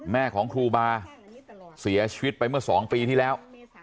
แม่ของครูบาเสียชีวิตไปเมื่อ๒ปีที่แล้ว